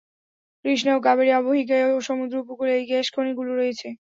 কৃষ্ণা ও কাবেরী অববাহিকায় ও সমুদ্র উপকূলে এই গ্যাস খনি গুলি রয়েছে।